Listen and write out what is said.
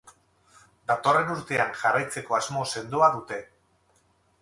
Datorren urtean jarraitzeko asmo sendoa dute.